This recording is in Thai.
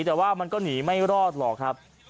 แต่ว่ามันก็หนีไม่รอดหรอกครับ